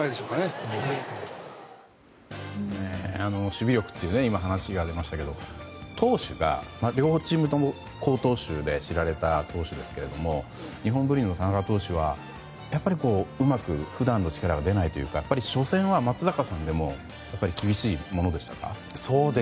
守備力という話がありましたが投手が両チームとも好投手で知られた投手ですけども日本文理の田中投手はやっぱりうまく普段の力が出ないというか初戦は、松坂さんでも厳しいものでしたか？